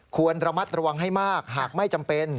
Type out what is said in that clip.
ควรระมัดระวังให้มากหากไม่จำเป็น